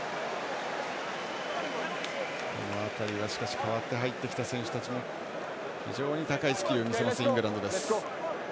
この辺りは代わって入ってきた選手たちも非常に高いスキルを見せるイングランドです。